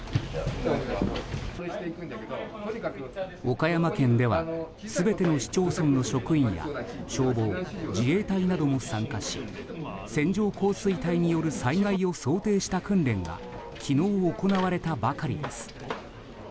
岡山県では全ての市町村の職員や消防、自衛隊なども参加し線状降水帯による災害を想定した訓練が昨日、行われたばかりです。